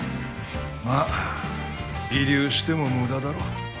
まあ慰留しても無駄だろ？